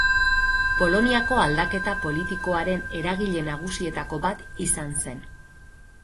Poloniako aldaketa politikoaren eragile nagusietako bat izan zen.